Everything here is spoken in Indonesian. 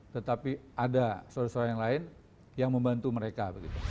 tetapi ada sosok sosok yang lain yang membantu mereka